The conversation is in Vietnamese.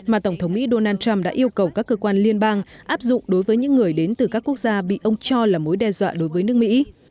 mà tổng thống mỹ donald trump đã yêu cầu các cơ quan liên bang áp dụng đối với những người đến từ các quốc gia bị ông cho là mối đe dọa đối với nước mỹ